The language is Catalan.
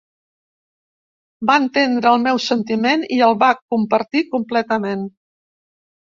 Va entendre el meu sentiment i el va compartir completament.